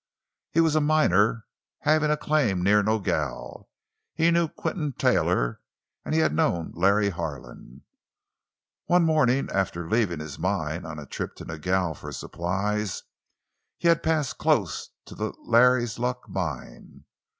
He was a miner, having a claim near Nogel. He knew Quinton Taylor, and he had known Larry Harlan. One morning after leaving his mine on a trip to Nogel for supplies, he had passed close to the "Larry's Luck" mine.